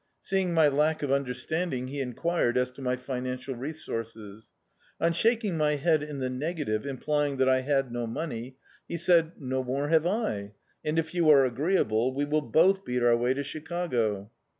Seeing my lack of understanding, he enquired as to my financial resources. On shaking my head in the negative, Implying that I had no money, he said. "No more have I : and if you are agreeable, we will both beat our way to Chicago."